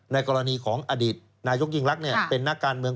ในกรณีของอดีตนายกยิ่งรักเป็นนักการเมือง